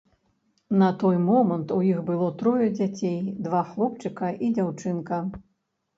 На той момант у іх было трое дзяцей, два хлопчыка і дзяўчынка.